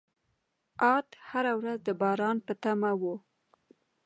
عاد هره ورځ د باران په تمه وو.